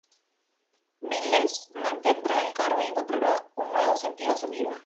Miles mantendrá el cargo y encontrará un nuevo sentido a su vida.